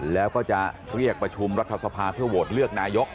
แล้วก็จะเรียกประชุมรัฐสภาเพื่อโหวตเลือกนายก